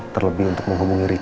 terlebih untuk menghubungi ricky